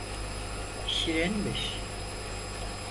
Şirinmiş.